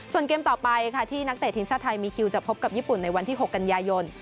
ส่วนเกมต่อไปค่ะที่นักเตะทีมชาติไทยมีคิวจะพบกับญี่ปุ่นในวันที่๖กันยายน